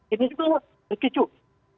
ini juga terkejut